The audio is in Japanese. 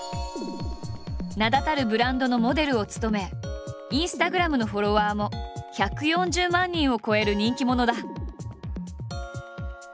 名だたるブランドのモデルを務めインスタグラムのフォロワーも１４０万人を超える人気者だ。